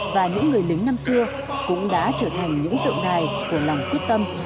và những người lính năm xưa cũng đã trở thành những tượng đài của lòng quyết tâm